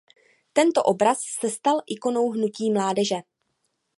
Tento obraz se stal ikonou hnutí mládeže.